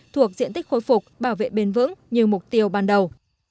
thuộc diện tích khôi phục bảo vệ bền vững như mục tiêu ban đầu